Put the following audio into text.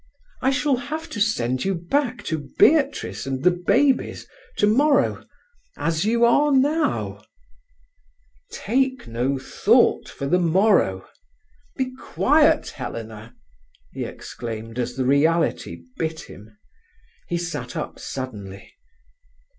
"I shall have to send you back to Beatrice and the babies—tomorrow—as you are now…." "'Take no thought for the morrow.' Be quiet, Helena!" he exclaimed as the reality bit him. He sat up suddenly.